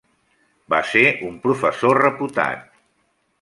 Va ser un professor reputat.